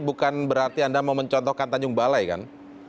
bukan berarti anda mau mencontohkan tanjung balai kan